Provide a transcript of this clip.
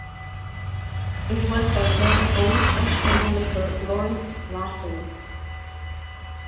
It was by then owned by candlemaker Lorentz Lassen.